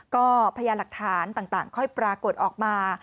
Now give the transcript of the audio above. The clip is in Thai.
ก็พยานหลักฐานต่างค่อยปรากฏออกมา